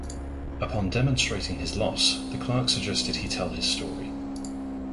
Upon demonstrating his loss, the clerk suggests he tell his story.